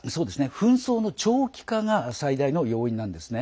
紛争の長期化が最大の要因なんですね。